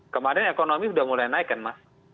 kemarin ekonomi sudah mulai naik kan mas